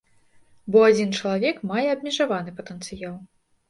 Бо адзін чалавек мае абмежаваны патэнцыял.